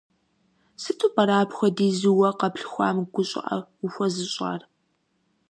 Сыту пӀэрэ апхуэдизу уэ къэплъхуам гу щӀыӀэ ухуэзыщӀар?